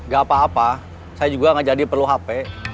gak apa apa saya juga gak jadi perlu hp